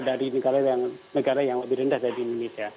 dari negara yang lebih rendah dari indonesia